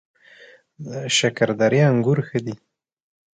شکردرې انګور ښه دي؟